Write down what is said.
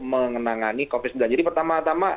menangani covid sembilan belas jadi pertama tama